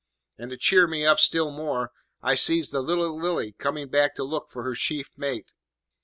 And, to cheer me up still more, I sees the little Lily coming back to look for her chief mate.